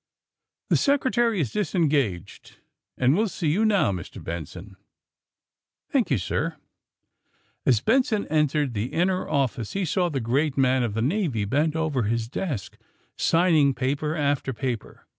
"The Secretary is disengaged, and will see you now, Mr. Benson." '' Thank you, sir. *' As Benson entered the inner office he saw the great man of the Navy bent over his desk, sign ing paper after paper.